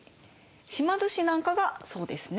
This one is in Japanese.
島津氏なんかがそうですね。